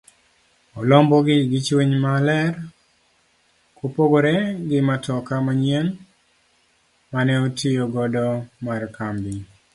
Olombo gi gichuny maler kopopgore gi matoka manyien mane otiyo godo mar kambi.